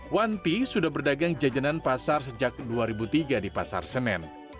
wanti sudah berdagang jajanan pasar sejak dua ribu tiga di pasar senen